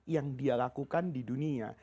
yang dia lakukan di dunia